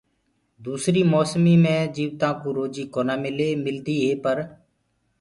دوسريٚ موسميٚ مي جيوتآنٚ ڪو روجيٚ ڪونآ ملي ملدي هي پر